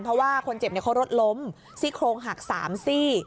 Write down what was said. เพราะว่าคนเจ็บเขารถล้มซี่โครงหัก๓ซี่